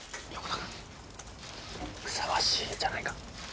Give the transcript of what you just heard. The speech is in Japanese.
横田ふさわしいじゃないか？